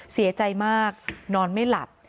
เสียใจมากนอนไม่หลับ